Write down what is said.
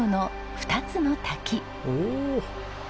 おお！